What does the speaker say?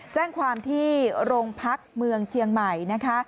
แจ้งความที่โรงพักเมืองเชียงใหม่นะคะ